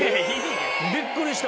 びっくりした。